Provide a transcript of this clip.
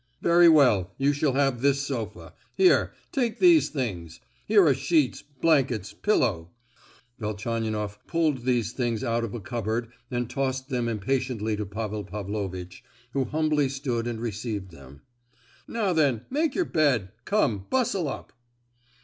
"Very well, you shall have this sofa. Here, take these things—here are sheets, blankets, pillow" (Velchaninoff pulled all these things out of a cupboard, and tossed them impatiently to Pavel Pavlovitch, who humbly stood and received them); "now then, make your bed,—come, bustle up!"